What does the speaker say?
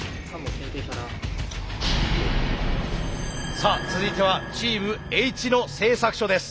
さあ続いてはチームＨ野製作所です。